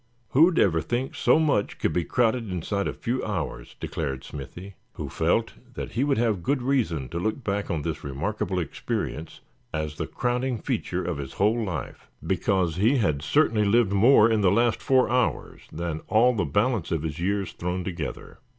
"Who'd ever think so much could be crowded inside a few hours?" declared Smithy; who felt that he would have good reason to look back on this remarkable experience as the crowning feature of his whole life, because he had certainly lived more in the last four hours than all the balance of his years thrown together.